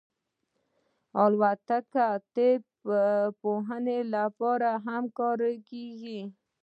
الوتکه د طب پوهنې لپاره هم کارېږي.